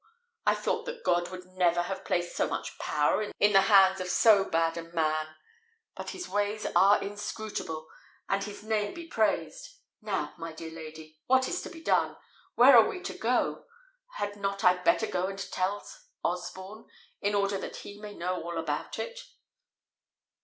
I thought that God would never have placed so much power in the hands of so bad a man; but His ways are inscrutable, and His name be praised! Now, my dear lady, what is to be done? Where are we to go? Had not I better go and tell Osborne, in order that he may know all about it?"